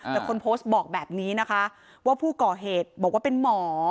แต่คนโพสต์บอกแบบนี้นะคะว่าผู้ก่อเหตุบอกว่าเป็นหมอ